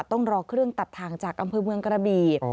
ต้องรอเครื่องตัดทางจากอำเภอเมืองกระบี